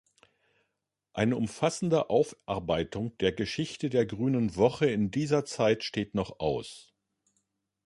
Eine umfassende Aufarbeitung der Geschichte der Grünen Woche in dieser Zeit steht noch aus.